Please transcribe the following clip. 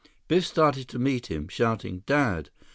Biff started to meet him, shouting, "Dad!"